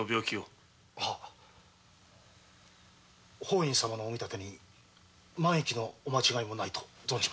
法印様のお見立てに万が一の間違いもないと。